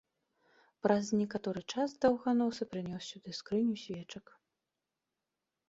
Праз некаторы час даўганосы прынёс сюды скрыню свечак.